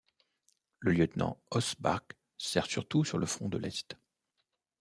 Le lieutenant Hossbach sert surtout sur le front de l’Est.